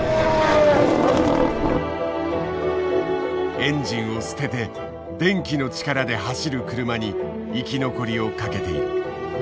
エンジンを捨てて電気の力で走る車に生き残りをかけている。